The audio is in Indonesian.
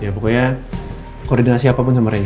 ya pokoknya koordinasi apapun sama rei